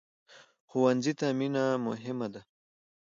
ښوونځی ته مینه مهمه ده